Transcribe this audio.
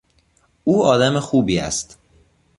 او آدم خوبی است.